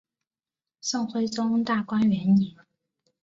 宋徽宗大观元年。